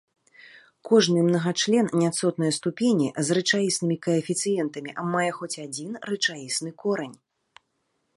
Кожны мнагачлен няцотнае ступені з рэчаіснымі каэфіцыентамі мае хоць адзін рэчаісны корань.